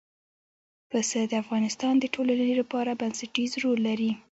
پسه د افغانستان د ټولنې لپاره بنسټيز رول لري.